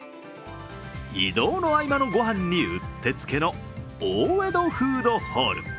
移動の合間のご飯にうってつけの大江戸フードホール。